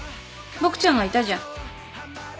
ボクちゃんがいたじゃん。